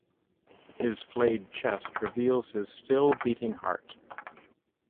His flayed chest reveals his still beating heart.